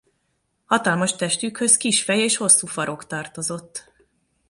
Hatalmas testükhöz kis fej és hosszú farok tartozott.